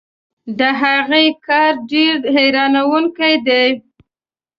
د هغې کار ډېر حیرانوونکی دی.